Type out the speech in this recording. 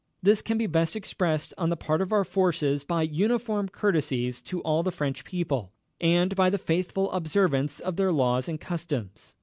This can best be expressed on the part of our forces by uniform courtesies to all the French people, and by the faithful observance of their laws and customs.